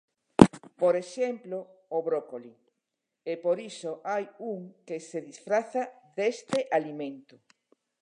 Por exemplo, o brócoli, e por iso hai un que se disfraza deste alimento.